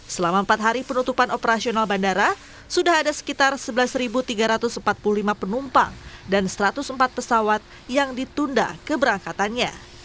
selama empat hari penutupan operasional bandara sudah ada sekitar sebelas tiga ratus empat puluh lima penumpang dan satu ratus empat pesawat yang ditunda keberangkatannya